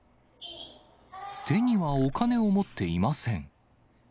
手にはお金を持っていません。